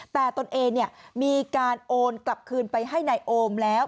แต่ตนเองมีการโอนกลับคืนไปให้นายโอมแล้ว